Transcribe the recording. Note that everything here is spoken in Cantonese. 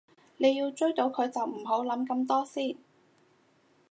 你要追到佢就唔好諗咁多先